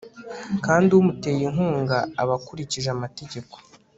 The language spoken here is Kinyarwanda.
kandi umuteye inkunga aba akurikije amategeko